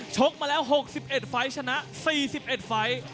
กมาแล้ว๖๑ไฟล์ชนะ๔๑ไฟล์